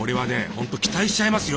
ほんと期待しちゃいますよ。